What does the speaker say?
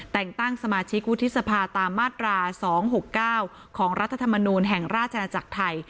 แต่งตั้งสมาชิกวุฒิสภาตามมาตรา๒๖๙ของรัฐธรรมนูลแห่งราชนาจักรไทย